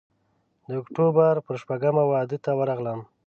د اکتوبر پر شپږمه واده ته ورغلم.